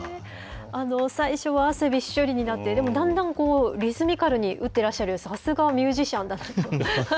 最初は汗びっしょりになって、でもだんだんこう、リズミカルに打ってらっしゃる、さすがミュージシャンだなと。